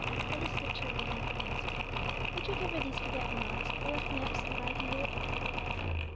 Betty slipped her little hand in his. 'Would you give her these forget me nots, or lift me up so that I can do it?'